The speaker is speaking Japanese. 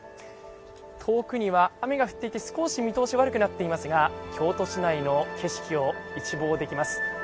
遠くには雨が降っていて少し見通しが悪くなっていますが京都市内の景色を一望できます。